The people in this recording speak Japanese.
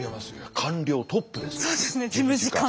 官僚トップですから。